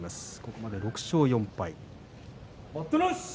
ここまで６勝４敗。